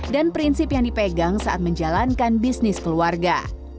dan prinsip yang dipegang saat menjalankan bisnis keluarga